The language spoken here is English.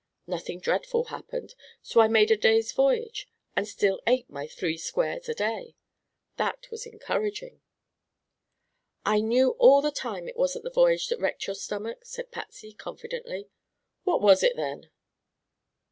Nothing dreadful happened. So I made a day's voyage, and still ate my three squares a day. That was encouraging." "I knew all the time it wasn't the voyage that wrecked your stomach," said Patsy confidently. "What was it, then?"